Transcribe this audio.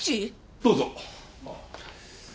どうぞ。